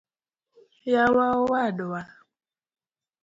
yawa owadwa